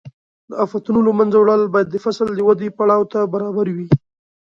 د آفتونو له منځه وړل باید د فصل د ودې پړاو ته برابر وي.